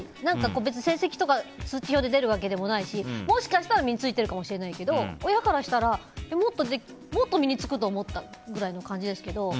別に成績とか通知表で出るわけじゃないしもしかしたら身に着いているかもしれないけど親からしたらもっと身に着くと思ったぐらいの感じですけど。